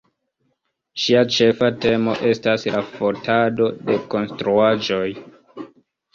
Ŝia ĉefa temo estas la fotado de konstruaĵoj.